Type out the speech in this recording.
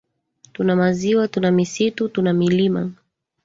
tuna maziwa tuna misitu tuna milima